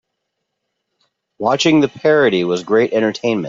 Watching the parody was great entertainment.